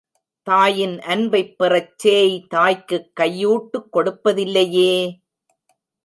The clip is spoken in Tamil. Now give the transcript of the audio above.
தாயின் அன்பைப் பெறச் சேய் தாய்க்குக் கையூட்டு கொடுப்பதில்லையே!